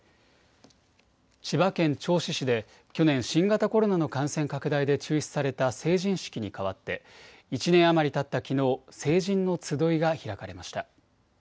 千葉県銚子市で去年、新型コロナの感染拡大で中止された成人式に代わって、１年余りたったきのう、成人のつどいが開かれました。